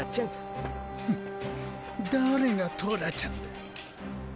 フッ誰がトラちゃんだ。